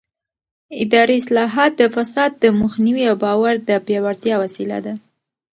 اداري اصلاحات د فساد د مخنیوي او باور د پیاوړتیا وسیله دي